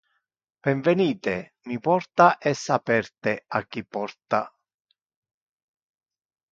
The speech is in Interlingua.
Benvenite! Mi porta es aperte a qui porta.